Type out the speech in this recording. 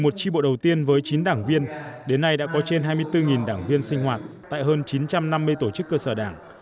một tri bộ đầu tiên với chín đảng viên đến nay đã có trên hai mươi bốn đảng viên sinh hoạt tại hơn chín trăm năm mươi tổ chức cơ sở đảng